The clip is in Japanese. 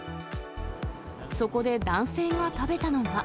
そこで男性が食べたのは。